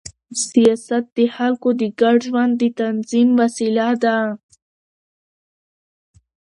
سیاست د خلکو د ګډ ژوند د تنظیم وسیله ده